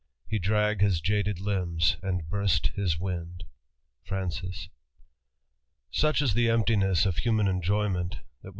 He drag his jaded limbs and burst his wind." FsANClS. OUCH is the emptiness of human enjoyment^ t hat wg